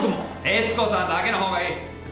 悦子さんだけの方がいい。